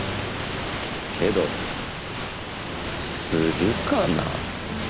けどするかな。